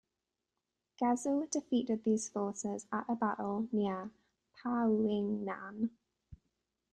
Ghezo defeated these forces at a battle near Paouingnan.